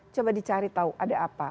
coba dicari tahu ada apa